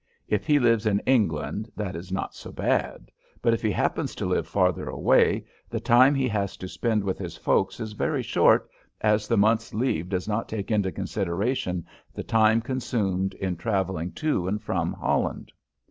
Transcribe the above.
If he lives in England, that is not so bad, but if he happens to live farther away, the time he has to spend with his folks is very short, as the month's leave does not take into consideration the time consumed in traveling to and from Holland.